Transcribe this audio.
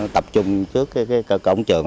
tập trung trước cổng trường